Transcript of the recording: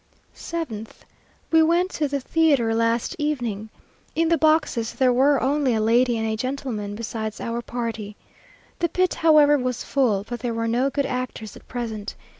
7th. We went to the theatre last evening. In the boxes there were only a lady and gentleman, besides our party. The pit, however, was full; but there are no good actors at present.